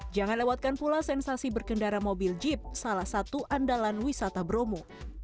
jangan lewatkan pula sensasi berkendara mobil jeep salah satu andalan wisata bromo